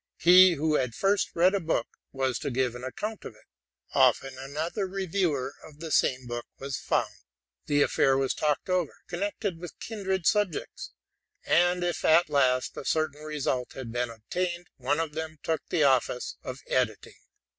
He who had first read a book was to give an account of it; often another reviewer of the same book was found; the affair was talked RELATING TO MY LIFE. 137 over, connected with kindred subjects ; and, if at last a certain result had been obtained, one of them took the office of edit ing.